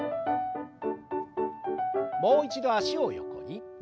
もう一度脚を横に。